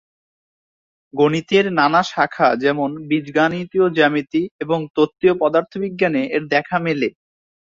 গণিতের নানা শাখা যেমন: বীজগণিতীয় জ্যামিতি এবং তত্ত্বীয় পদার্থবিজ্ঞানে এর দেখা মেলে।